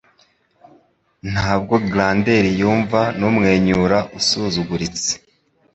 Ntabwo Grandeur yumva numwenyura usuzuguritse